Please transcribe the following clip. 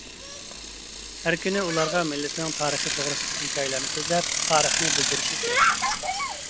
ھەر كۈنى ئۇلارغا مىللىتىنىڭ تارىخى توغرىسىدىكى ھېكايىلەرنى سۆزلەپ، تارىخنى بىلدۈرۈشى كېرەك.